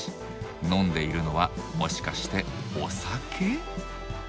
飲んでいるのはもしかしてお酒？